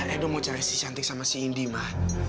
edo mau cari si cantik sama si indi ma